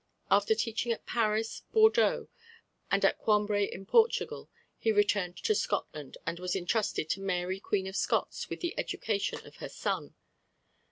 After teaching at Paris, Bordeaux, and at Coimbre in Portugal, he returned to Scotland, and was entrusted by Mary, Queen of Scots, with the education of her son.